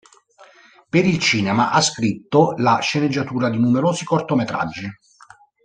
Per il cinema ha scritto la sceneggiatura di numerosi cortometraggi.